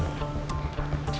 baik pak riki